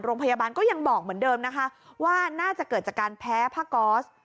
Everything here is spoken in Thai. โรงพยาบาลก็ยังบอกเหมือนเดิมนะคะว่าน่าจะเกิดจากการแพ้ผ้าก๊อส